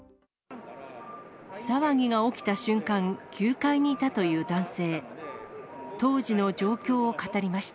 騒ぎが起きた瞬間、９階にいたという男性。